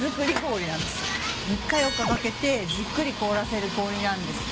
３日４日かけてじっくり凍らせる氷なんですって。